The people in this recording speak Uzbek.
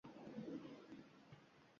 Lekin u hozirda noiloj edi..